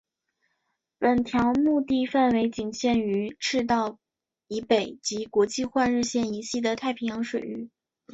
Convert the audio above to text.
本条目的范围仅局限于赤道以北及国际换日线以西的太平洋水域。